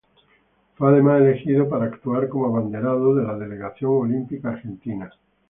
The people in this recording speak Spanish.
Fue además elegido para actuar como abanderado de la delegación olímpica argentina.